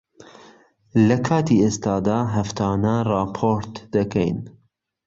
لەکاتی ئێستادا، هەفتانە ڕاپۆرت دەکەین.